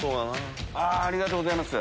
ありがとうございます。